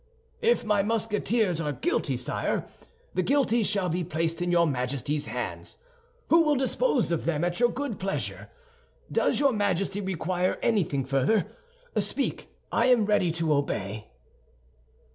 "If my Musketeers are guilty, sire, the guilty shall be placed in your Majesty's hands, who will dispose of them at your good pleasure. Does your Majesty require anything further? Speak, I am ready to obey."